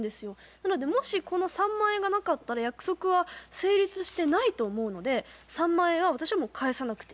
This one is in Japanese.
なのでもしこの３万円がなかったら約束は成立してないと思うので３万円は私はもう返さなくていいと思いますね。